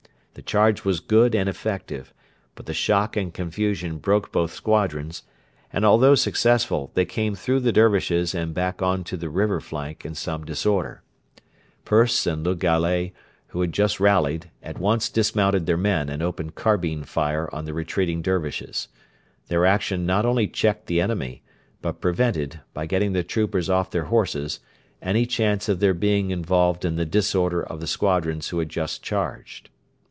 The charge was good and effective, but the shock and confusion broke both squadrons, and, although successful, they came through the Dervishes and back on to the river flank in some disorder. Persse and Le Gallais, who had just rallied, at once dismounted their men and opened carbine fire on the retreating Dervishes. Their action not only checked the enemy, but prevented, by getting the troopers off their horses, any chance of their being involved in the disorder of the squadrons who had just charged.